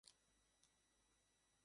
কী হচ্ছে বাল!